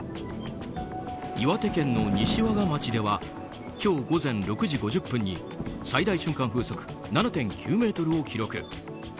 岩手県の西和賀町では今日午前６時５０分に最大瞬間風速７．９メートルを記録。